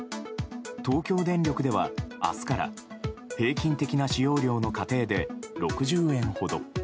東京電力では明日から平均的な使用料の家庭で６０円ほど。